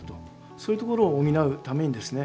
そういうところを補うためにですね